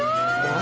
何？